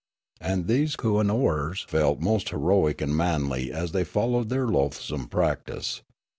And these kooannooers felt most heroic and manly as they followed their loathsome practice.